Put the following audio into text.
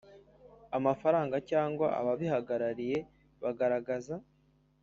amafaranga cyangwa ababihagarariye bagaragaza